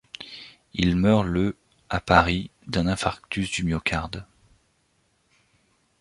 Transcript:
Il meurt le à Paris d'un infarctus du myocarde.